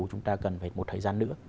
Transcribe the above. chúng ta cần phải một thời gian nữa